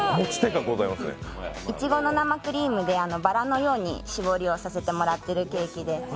いちごの生クリームでバラのように絞りをさせてもらっているケーキです。